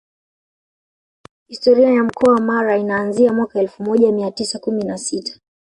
Historia ya Mkoa wa Mara inaanzia mwaka elfu moja mia tisa kumi na sita